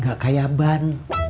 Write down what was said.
gak kayak ban